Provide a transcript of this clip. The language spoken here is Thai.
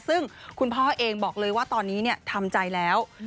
ซึ่งคุณพ่อเองบอกเลยว่าตอนนี้ทำใจแล้ว